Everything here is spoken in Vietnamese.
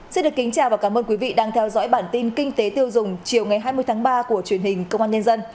xin được kính chào và cảm ơn quý vị đang theo dõi bản tin kinh tế tiêu dùng chiều ngày hai mươi tháng ba của truyền hình công an nhân dân